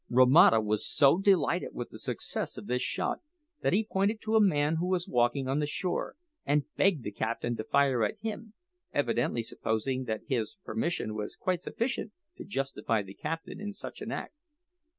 Romata was so delighted with the success of this shot that he pointed to a man who was walking on the shore, and begged the captain to fire at him, evidently supposing that his permission was quite sufficient to justify the captain in such an act.